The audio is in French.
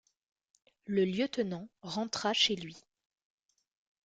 Le lieutenant rentra chez lui.